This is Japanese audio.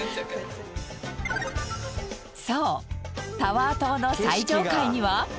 そうタワー棟の最上階には。